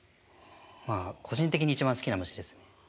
まあ個人的に一番好きな虫ですね。